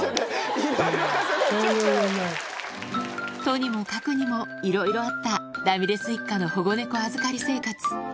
とにもかくにもいろいろあったラミレス一家の保護猫預かり生活